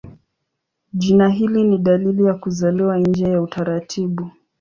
Jina hili ni dalili ya kuzaliwa nje ya utaratibu.